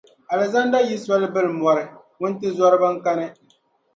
Alizanda yi soli bili mɔri, wuntizɔriba n-kani.